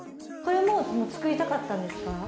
これも作りたかったんですか？